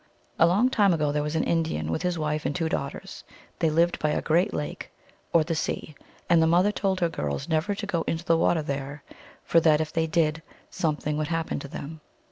A long time ago there was an Indian, with his wife and two daughters. They lived by a great lake, or the sea, and the mother told her girls never to go into the water there, for that, if they did, something would happen to them.